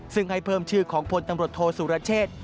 ซึ่งให้เพิ่มชื่อของพลตำรวจโทษสุรเชษ